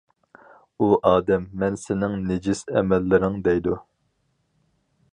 ئۇ ئادەم: مەن سېنىڭ نىجىس ئەمەللىرىڭ دەيدۇ.